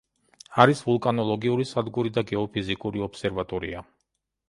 არის ვულკანოლოგიური სადგური და გეოფიზიკური ობსერვატორია.